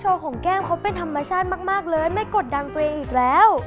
โชว์ของแก้มเค้าเป็นธรรมชาติมากเลยไม่อัดกดดันเปลี่ยนอีกแล้ว